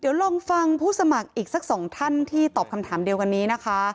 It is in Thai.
เดี๋ยวลองฟังผู้สมัครอีกสักสองท่านที่ตอบคำถามเดียวกันนี้นะคะ